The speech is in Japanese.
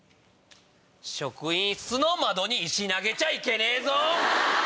職員室の窓に石投げちゃいけねえぞ！